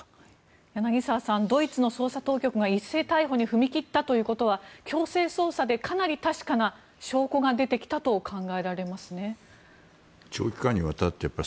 柳澤さんドイツの捜査当局が一斉逮捕に踏み切ったということは強制捜査でかなり確かな証拠が出てきたと考えられますね。